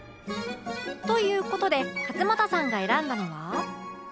という事で勝俣さんが選んだのは